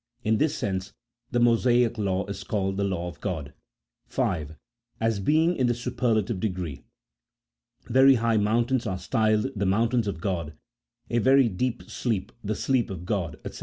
In this sense the Mosaic law is called the law of G od. (5.) As being in the superlative degree. Very high moun tains are styled the mountains of God, a very deep sleep, the sleep of God, &c.